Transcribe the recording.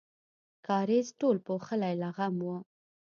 کاریز ټول پوښلی لغم و.